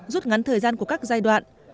rút ngắn thời gian của các giai đoạn